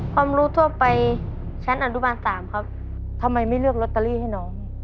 ความรู้ทั่วไปชั้นอนุบาล๓ครับทำไมไม่เลือกลอตเตอรี่ให้น้อง